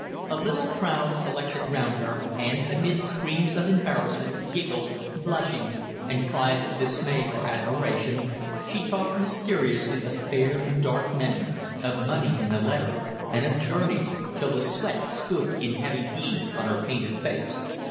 A little crowd collected round her, and, amid screams of embarrassment, giggles, blushings, and cries of dismay or admiration, she talked mysteriously of fair and dark men, of money in a letter, and of journeys, till the sweat stood in heavy beads on her painted face.